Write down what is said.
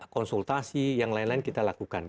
konsultasi yang lain lain kita lakukan